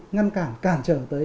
ngăn cản cản trở tới